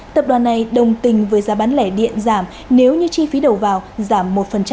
tập đoàn này đồng tình với giá bán lẻ điện giảm nếu như chi phí đầu vào giảm một